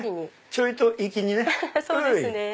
ちょいと粋にね。